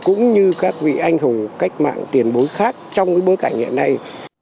cũng như các vị anh hùng cách mạng tiền bối khác trong bối cảnh hiện nay